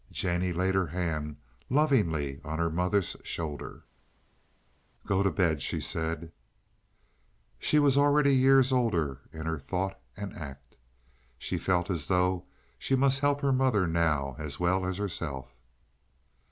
Jennie laid her hand lovingly on her mother's shoulder. "Go to bed," she said. She was already years older in thought and act. She felt as though she must help her mother now as well as herself.